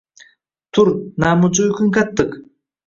Tur namuncha uyqung qattiq